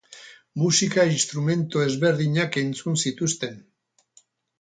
Musika instrumentu ezberdinak entzun zituzten.